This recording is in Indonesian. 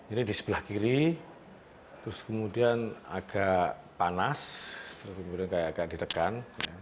ini di sebelah kiri terus kemudian agak panas kemudian kayak agak ditekan